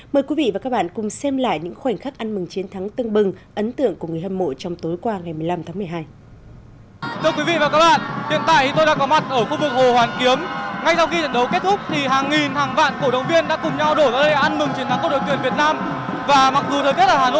mời quý vị và các bạn cùng xem lại những khoảnh khắc ăn mừng chiến thắng tưng bừng ấn tượng của người hâm mộ trong tối qua ngày một mươi năm tháng một mươi hai